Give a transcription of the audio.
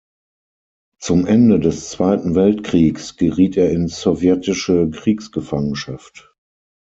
Zum Ende des Zweiten Weltkriegs geriet er in sowjetische Kriegsgefangenschaft.